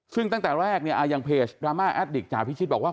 ซึ่งตั้งแต่แรกเนี่ยอย่างเพจดราม่าแอดดิกจ่าพิชิตบอกว่า